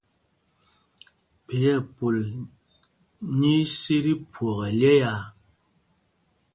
Phē ɛpul nyí í sī tí phwɔk ɛlyɛ̄ɛ̄â.